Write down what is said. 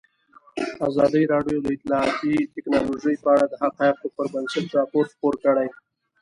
ازادي راډیو د اطلاعاتی تکنالوژي په اړه د حقایقو پر بنسټ راپور خپور کړی.